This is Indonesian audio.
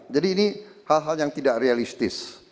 jadi ini hal hal yang tidak realistis